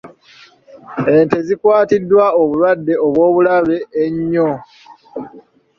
Ente zikwatiddwa obulwadde obw'obulabe ennyo.